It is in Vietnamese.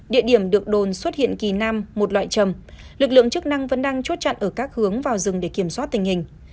địa điểm được đồn xuất hiện kỳ nam một loại trầm lực lượng chức năng vẫn đang chốt chặn ở các hướng vào rừng để kiểm soát tình hình